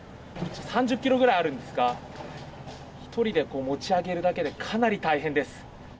３０キロくらいあるんですが、１人で持ち上げるだけで、かなり大変です。